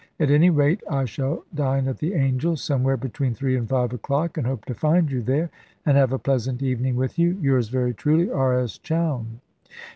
At any rate, I shall dine at 'The Angel,' somewhere between three and five o'clock, and hope to find you there, and have a pleasant evening with you. Yours very truly, R. S. CHOWNE.